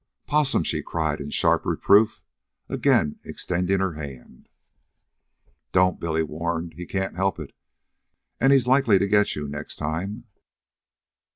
"Possum!" she cried in sharp reproof, again extending her hand. "Don't," Billy warned. "He can't help it, and he's likely to get you next time."